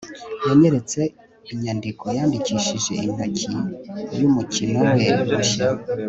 yanyeretse inyandiko yandikishijwe intoki yumukino we mushya